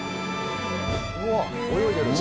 うわっ泳いでる。